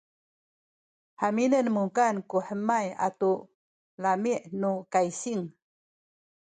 haminen mukan ku hemay atu lami’ nu kaysing